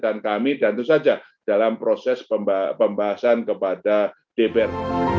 dan kami tentu saja dalam proses pembahasan kepada dpr